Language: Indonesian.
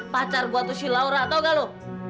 pacar gue tuh si laura tau gak lo